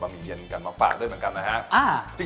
มีเย็นกันมาฝากด้วยเหมือนกันนะฮะ